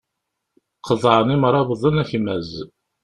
Qeḍɛen imrabḍen akmaz.